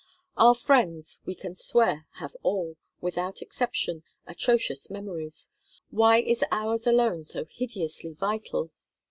Our friends, we can swear, have all, without exception, atrocious memories; why is ours alone so hideously vital?